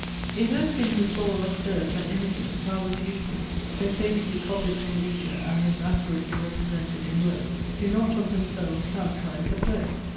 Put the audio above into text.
It has been before observed that images, however beautiful, though faithfully copied from nature, and as accurately represented in words, do not of themselves characterize the poet.